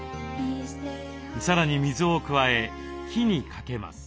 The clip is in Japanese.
さらに水を加え火にかけます。